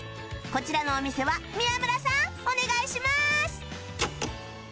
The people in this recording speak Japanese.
こちらのお店は宮村さんお願いします！